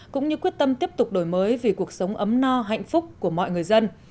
cũng như quyết tâm tiếp tục đổi mới vì cuộc sống ấm no hạnh phúc của mọi người dân